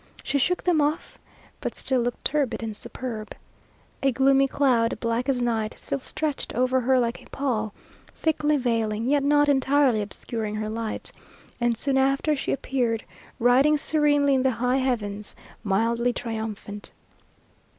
She shook them off, but still looked turbid and superb. A gloomy cloud, black as night, still stretched over her like a pall, thickly veiling, yet not entirely obscuring her light, and soon after she appeared, riding serenely in the high heavens, mildly triumphant.